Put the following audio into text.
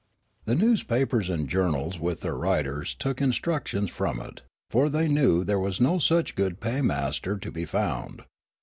The newspapers and journals with their writers took instructions from it ; for they knew there was no such good paymaster to be found.